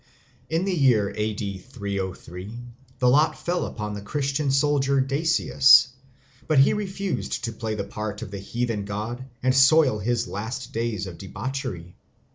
In the year A.D. 303 the lot fell upon the Christian soldier Dasius, but he refused to play the part of the heathen god and soil his last days by debauchery.